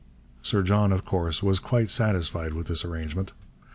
Sir John, of course, was quite satisfied with this arrangement.